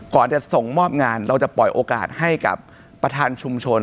จะส่งมอบงานเราจะปล่อยโอกาสให้กับประธานชุมชน